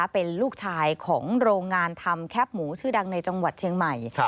เป็นลูกชายของโรงงานทำแคปหมูชื่อดังในจังหวัดเชียงใหม่